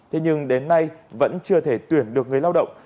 thế nhưng đến nay vẫn chưa thể tuyển được người lao động